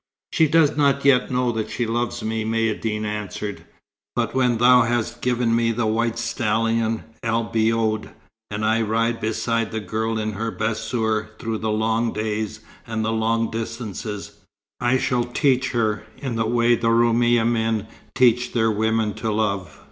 "She does not yet know that she loves me," Maïeddine answered. "But when thou hast given me the white stallion El Biod, and I ride beside the girl in her bassour through the long days and the long distances, I shall teach her, in the way the Roumi men teach their women to love."